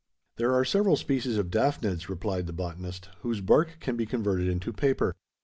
"There are several species of daphnads," replied the botanist, "whose bark can be converted into paper.